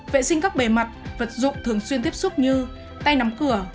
vệ sinh các bề mặt vật dụng thường xuyên tiếp xúc như tay nắm cửa